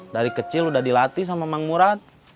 dari kecil udah dilatih sama mang murad